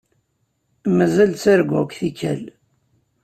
Mazal ttarguɣ-k tikkal.